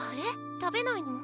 たべないの？